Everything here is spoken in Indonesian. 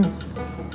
dia nurut sama gue